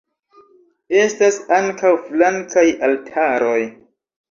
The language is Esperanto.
Estas ankaŭ flankaj altaroj.